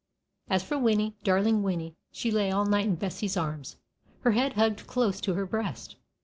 As for Winnie, darling Winnie, she lay all night in Bessie's arms, her head hugged close to her breast.